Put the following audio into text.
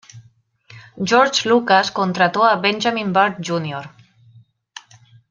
George Lucas contrató a Benjamin Burtt, Jr.